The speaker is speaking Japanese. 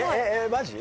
マジ？